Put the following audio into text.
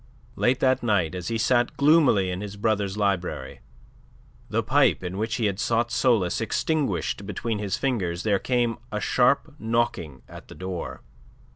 Late that night, as he sat gloomily in his brother's library, the pipe in which he had sought solace extinguished between his fingers, there came a sharp knocking at the door.